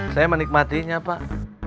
saya menikmatinya pak